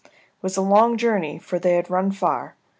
It was a long journey, for they had run far.